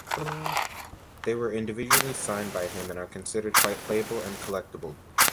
They were individually signed by him and are considered quite playable and collectable.